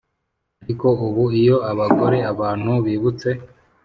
ariko ubu iyo abagore abantu bibutse